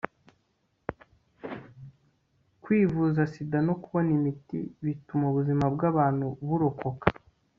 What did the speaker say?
kwivuza sida no kubona imiti bituma ubuzima bw'abantu burokoka